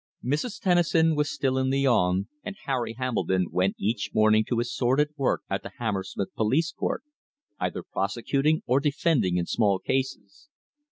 Mrs. Tennison was still in Lyons, and Harry Hambledon went each morning to his sordid work at the Hammersmith Police Court, either prosecuting or defending in small cases.